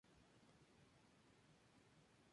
Un nuevo chasis de magnesio se había desarrollado.